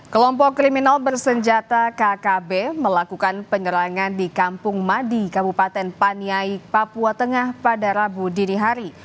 kelompok kriminal bersenjata kkb melakukan penyerangan di kampung madi kabupaten paniai papua tengah pada rabu dinihari